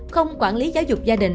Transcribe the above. không quản lý giáo dục gia đình